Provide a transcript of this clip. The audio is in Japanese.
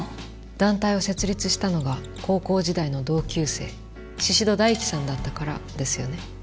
団体を設立したのが高校時代の同級生宍戸大樹さんだったからですよね。